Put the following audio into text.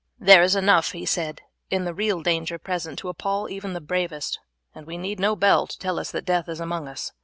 "There is enough," he said, "in the real danger present to appall even the bravest, and we need no bell to tell us that death is among us.